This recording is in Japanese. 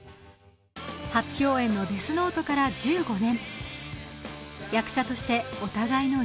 初共演の「デスノート」から１５年。